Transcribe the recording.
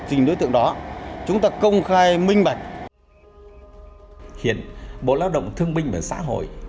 tình đối tượng đó chúng ta công khai minh bạch hiện bộ lao động thương minh và xã hội